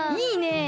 いいね！